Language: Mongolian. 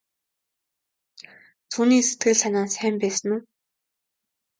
Түүний сэтгэл санаа сайн байсан уу?